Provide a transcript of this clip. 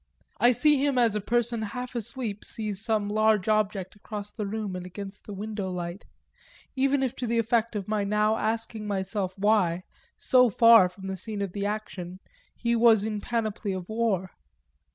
I see him as a person half asleep sees some large object across the room and against the window light even if to the effect of my now asking myself why, so far from the scene of action, he was in panoply of war.